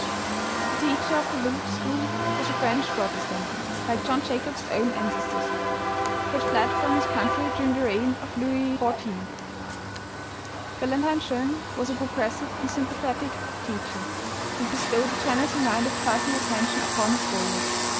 The teacher of the village school was a French Protestant, like John Jacob's own ancestors. He had fled from his country during the reign of Louis XIV. Valentine Jeune was a progressive and sympathetic teacher, and bestowed a generous amount of personal attention up on his scholars.